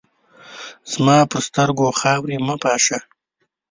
زما پر سترګو خاوري مه پاشه !